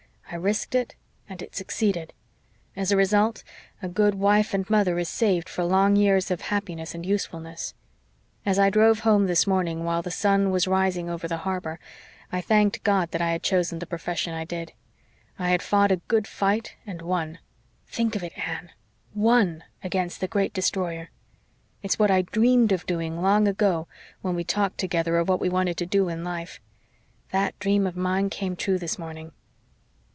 I risked it and it succeeded. As a result, a good wife and mother is saved for long years of happiness and usefulness. As I drove home this morning, while the sun was rising over the harbor, I thanked God that I had chosen the profession I did. I had fought a good fight and won think of it, Anne, WON, against the Great Destroyer. It's what I dreamed of doing long ago when we talked together of what we wanted to do in life. That dream of mine came true this morning."